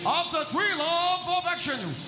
อัพเซอร์๓รอร์ฟอร์ฟแอคชั่น